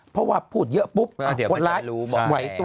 เพราะว่าพูดเยอะปุ๊บคนร้ายไหวตัว